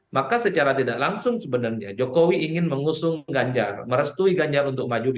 maka secara tidak langsung sebenarnya jokowi ingin mengusung ganjar merestui ganjar untuk maju di dua ribu dua puluh empat